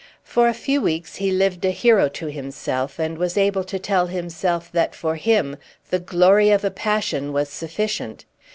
For a few weeks he lived a hero to himself, and was able to tell himself that for him the glory of a passion was sufficient.